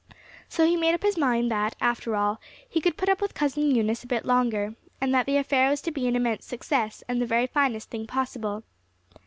So he made up his mind that, after all, he could put up with Cousin Eunice a bit longer, and that the affair was to be an immense success and the very finest thing possible.